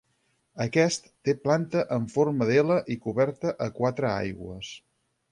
Aquest té la planta en forma de ela i coberta a quatre aigües.